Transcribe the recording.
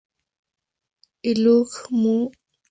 Ulugh Muhammad usurpó el trono con ayuda de la nobleza local.